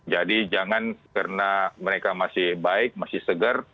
jadi jangan karena mereka masih baik masih segar